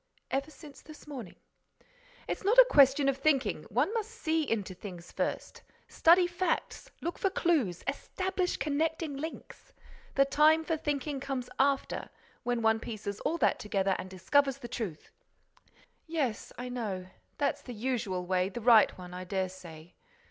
"Ever since this morning." "It's not a question of thinking! One must see into things first, study facts, look for clues, establish connecting links. The time for thinking comes after, when one pieces all that together and discovers the truth." "Yes, I know.—That's the usual way, the right one, I dare say.